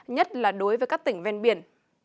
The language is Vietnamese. nhất là đối với các tỉnh ven biển